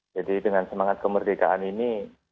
jadi dengan semangat kemerdekaan ini